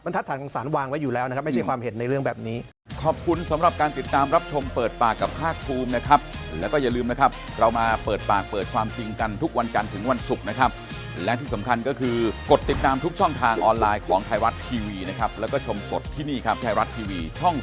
บรรทัศน์ของศาลวางไว้อยู่แล้วไม่ใช่ความเห็นในเรื่องแบบนี้